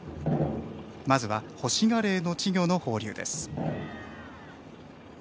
まずは、ホシガレイの稚魚の放流です。